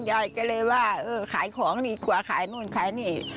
ยายก็เลยว่าเออขายของดีกว่าขายนู่นขายนี่